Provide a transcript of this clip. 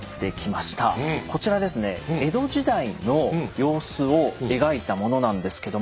こちらですね江戸時代の様子を描いたものなんですけども。